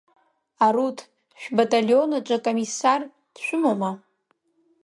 Аруҭ, шәбаталион аҿы акомиссар дшәымоума?